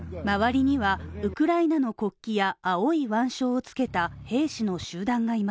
周りにはウクライナの国旗や青い腕章をつけた兵士の集団が。